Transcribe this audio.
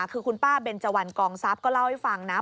คือคุณป้าเบนเจวันกองทรัพย์ก็เล่าให้ฟังนะ